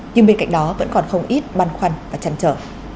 nhưng bên cạnh đó vẫn còn không ít băn khoăn và chăn trở